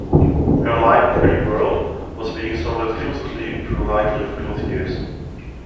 Her line, Pretty World, was being sold exclusively through Highcliffe Clothiers.